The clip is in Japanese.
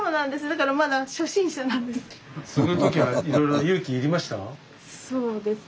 だからまだ初心者なんです。